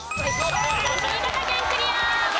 新潟県クリア。